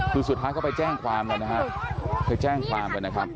คือสุดท้ายเข้าไปแจ้งความ